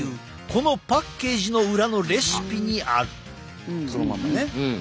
このパッケージの裏のレシピにある。